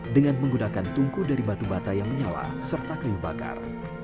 dengan menggunakan tungku dari batu bata yang menyala serta kayu bakar